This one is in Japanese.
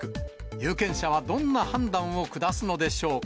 有権者はどんな判断を下すのでしょうか。